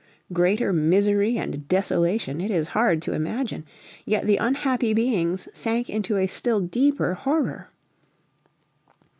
Greater misery and desolation it is hard to imagine. Yet the unhappy beings sank into a still deeper horror.